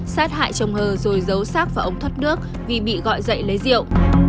sát hại chồng hờ rồi giấu xác và ống thoát nước vì bị gọi dậy lấy rượu